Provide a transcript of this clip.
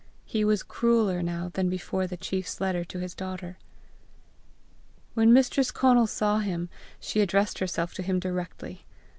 He was crueller now than before the chief's letter to his daughter. When Mistress Conal saw him, she addressed herself to him directly.